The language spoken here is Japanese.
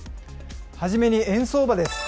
初めに円相場です。